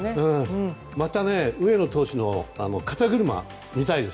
また上野投手の肩車を見たいです。